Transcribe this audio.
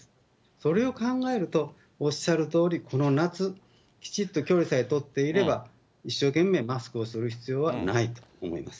それを考えると、おっしゃるとおり、この夏、きちっと距離さえ取っていれば、一生懸命マスクをする必要はないと思います。